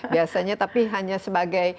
biasanya tapi hanya sebagai